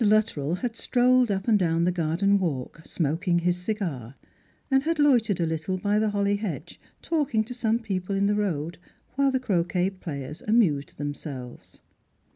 Luttrell had strolled up and down the garden walk. Strangers and Pilgrims. 21 ■moking his cigar, and had loitered a little by the holiy liedge talking to some people in the road, while the croquet players amused themselves.